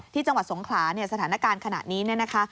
ที่จังหวัดสงขลาสถานการณ์ขณะนี้นะคะ